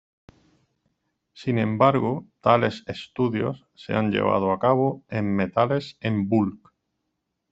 Sin embargo tales estudios se han llevado a cabo en metales en "bulk".